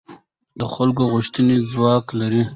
د خلکو غوښتنې ځواک لري